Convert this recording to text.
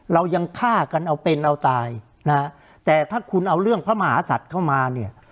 เรายังฆ่ากันเอาเป็นเอาตายนะฮะแต่ถ้าคุณเอาเรื่องพระมหาศัตริย์เข้ามาเนี่ย